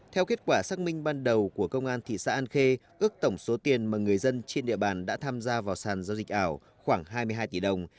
theo kết quả xác minh ban đầu của công an thị xã an khê ước tổng số tiền mà người dân trên địa bàn đã tham gia vào sàn giao dịch ảo khoảng hai mươi hai tỷ đồng